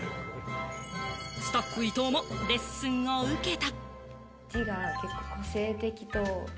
スタッフ・伊藤もレッスンを受けた。